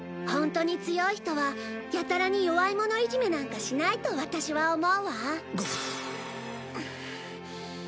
ホントに強い人はやたらに弱い者いじめなんかしないとワタシは思うわ。